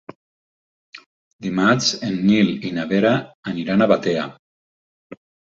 Dimarts en Nil i na Vera aniran a Batea.